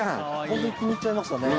ホントに気に入っちゃいましたね